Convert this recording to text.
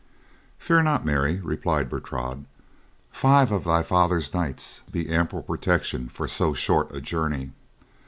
"Fear not, Mary," replied Bertrade. "Five of thy father's knights be ample protection for so short a journey.